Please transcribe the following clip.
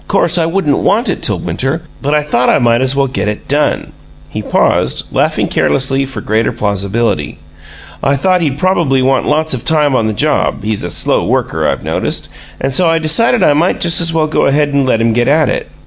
'Course I wouldn't want it till winter, but I thought I might as well get it DONE." He paused, laughing carelessly, for greater plausibility. "I thought he'd prob'ly want lots of time on the job he's a slow worker, I've noticed and so I decided I might just as well go ahead and let him get at it.